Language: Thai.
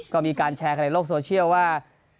ก็มีการแชร์กันในโลกโซเชียลว่า